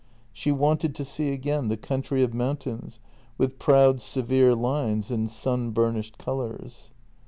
She wanted to see again the country of mountains, with proud, severe lines and sunburnished colours.